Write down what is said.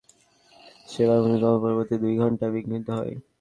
Mobile ফোন-নির্ভর বেশির ভাগ সেবা ভূমিকম্প -পরবর্তী দুই ঘণ্টা বিঘ্নিত হয়।